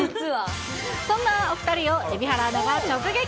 そんなお２人を蛯原アナが直撃。